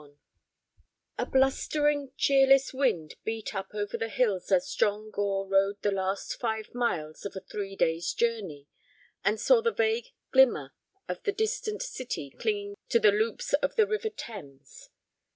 XXI A blustering, cheerless wind beat up over the hills as John Gore rode the last five miles of a three days' journey, and saw the vague glimmer of the distant city clinging to the loops of the river Thames.